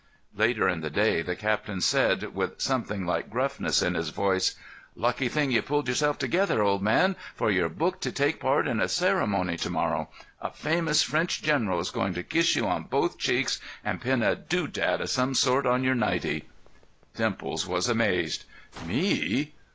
Later in the day the captain said, with something like gruffness in his voice: "Lucky thing you pulled yourself together, old man, for you're booked to take part in a ceremony to morrow. A famous French general is going to kiss you on both cheeks and pin a doodad of some sort on your nightie." Dimples was amazed. "Me?